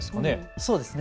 そうですね。